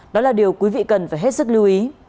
đó là điều quý vị cần phải hết sức lưu ý